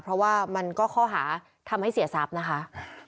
เพราะว่ามันก็ข้อหาทำให้เสียทรัพย์นะคะ